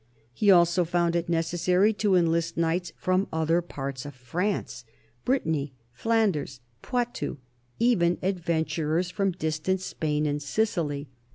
He also found it necessary to enlist knights from other parts of France Brittany, Flanders, Poitou, even adventurers from distant Spain and Sicily.